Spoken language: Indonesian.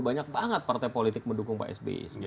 banyak banget partai politik mendukung pak sby